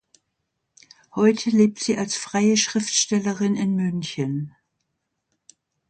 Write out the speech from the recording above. Heute lebt sie als freie Schriftstellerin in München.